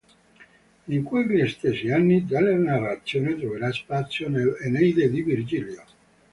In quegli stessi anni tale narrazione troverà spazio nell"'Eneide" di Virgilio.